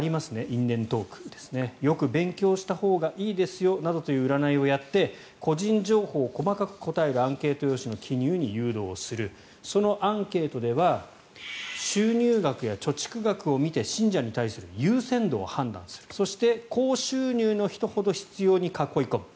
因縁トークですねよく勉強したほうがいいですよという占いをやって個人情報を細かく答えるアンケート用紙の記入に誘導するそのアンケートでは収入額や貯蓄額などを見て信者に対する優先度を判断するそして高収入の人ほど執ように囲い込む